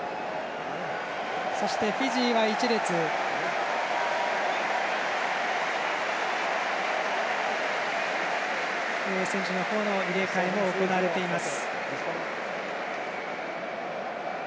そしてフィジーは１列の選手の入れ替えが行われています。